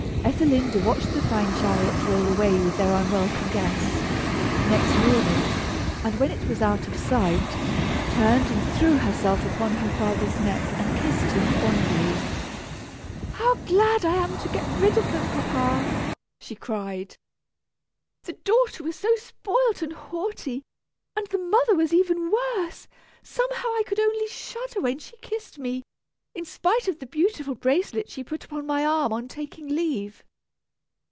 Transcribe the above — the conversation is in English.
Ethelinda watched the fine chariot roll away with their unwelcome guests, next morning, and when it was out of sight, turned and threw herself upon her father's neck and kissed him fondly. "How glad I am to get rid of them, papa!" she cried. "The daughter was so spoilt and haughty, and the mother was even worse; somehow I could only shudder when she kissed me, in spite of the beautiful bracelet she put upon my arm on taking leave."